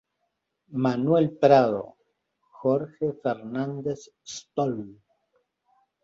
Manuel Prado.- Jorge Fernández Stoll.